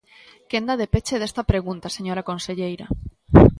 Quenda de peche desta pregunta, señora conselleira.